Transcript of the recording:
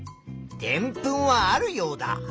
でんぷんはあるヨウダ。